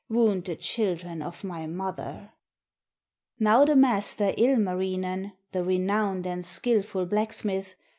Wound the children of my mother." Now the master, Ilmarinen, The renowned and skillful blacksmith.